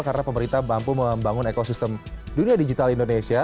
kita mampu membangun ekosistem dunia digital indonesia